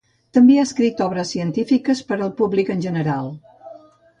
Ha escrit també obres científiques per al públic en general.